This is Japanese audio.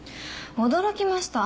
驚きました。